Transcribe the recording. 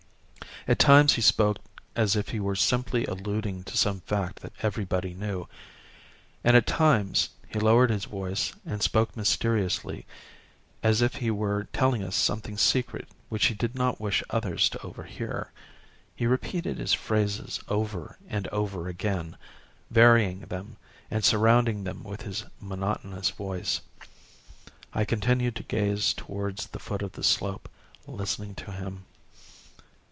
At times he spoke as if he were simply alluding to some fact that everybody knew, and at times he lowered his voice and spoke mysteriously as if he were telling us something secret which he did not wish others to overhear. He repeated his phrases over and over again, varying them and surrounding them with his monotonous voice. I continued to gaze towards the foot of the slope, listening to him.